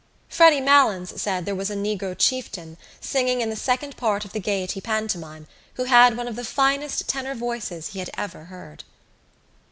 Freddy Malins said there was a negro chieftain singing in the second part of the Gaiety pantomime who had one of the finest tenor voices he had ever heard.